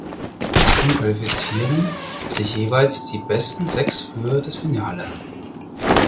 Davon qualifizieren sich jeweils die besten sechs für das Finale.